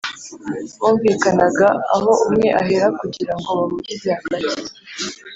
bumvikanaga aho umwe ahera kugira ngo bahurize hagati.